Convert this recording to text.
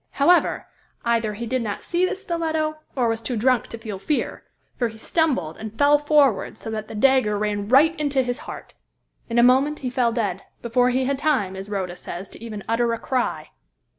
However, either he did not see the stiletto, or was too drunk to feel fear, for he stumbled and fell forward, so that the dagger ran right into his heart. In a moment he fell dead, before he had time, as Rhoda says, to even utter a cry."